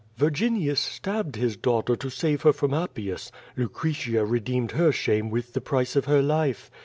Virginius stabbed his daugh ter to save her from Appius; Lucretia redeemed her shame with the price of her life.